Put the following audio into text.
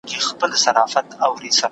پاس په غېږ کي د اسمان لکه زمری و